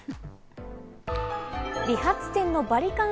理髪店のバリカン